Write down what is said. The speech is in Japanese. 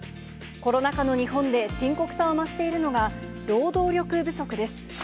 コロナ禍の日本で深刻さを増しているのが、労働力不足です。